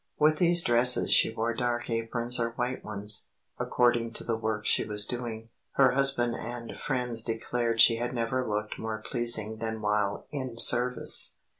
With these dresses she wore dark aprons or white ones, according to the work she was doing. Her husband and friends declared she had never looked more pleasing than while "in service."